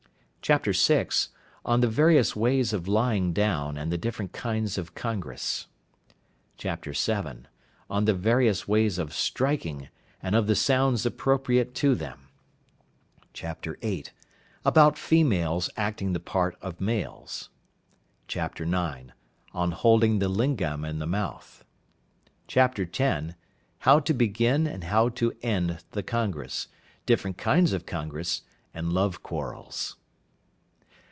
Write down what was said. " VI. On the various ways of Lying Down, and the different kinds of Congress. " VII. On the various ways of Striking, and of the Sounds appropriate to them. " VIII. About females acting the part of Males. " IX. On holding the Lingam in the Mouth. " X. How to begin and how to end the Congress. Different kinds of Congress, and Love Quarrels.